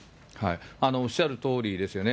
おっしゃるとおりですよね。